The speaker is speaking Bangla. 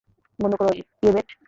বন্ধ কর, ইয়েভেট।